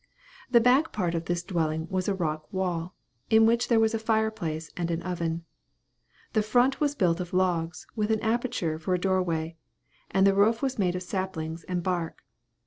The back part of this dwelling was a rock wall, in which there was a fire place and an oven. The front was built of logs, with an aperture for a door way; and the roof was made of saplings and bark.